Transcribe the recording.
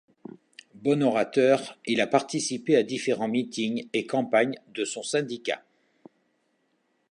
Bon orateur, il a participé à différents meetings et campagnes de son syndicat.